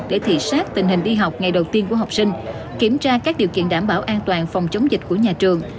để thị xác tình hình đi học ngày đầu tiên của học sinh kiểm tra các điều kiện đảm bảo an toàn phòng chống dịch của nhà trường